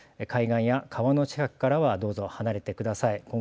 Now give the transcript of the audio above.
海岸や川の近くからはどうぞ離れてください。